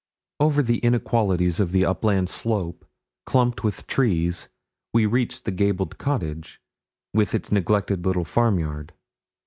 Over the inequalities of the upland slope, clumped with trees, we reached the gabled cottage, with its neglected little farm yard.